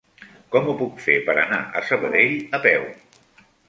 Com ho puc fer per anar a Sabadell a peu?